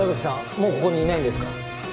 もうここにいないんですか？